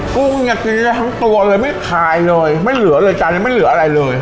กุ้งเนี่ยกินได้ทั้งตัวเลยไม่พายเลยไม่เหลือเลยจานยังไม่เหลืออะไรเลย